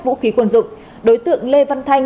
vũ khí quân dụng đối tượng lê văn thanh